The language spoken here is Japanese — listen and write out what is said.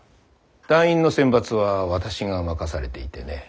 団員の選抜は私が任されていてね。